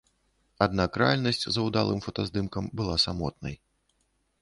Аднак рэальнасць за ўдалым фотаздымкам была самотнай.